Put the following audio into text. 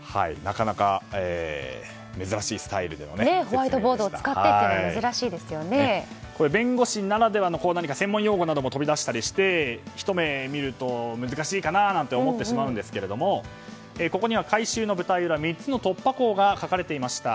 これ、弁護士ならではの何か専門用語なども飛び出してひと目見ると難しいかなと思ってしまうんですがここには回収の舞台裏３つの突破口が書かれていました。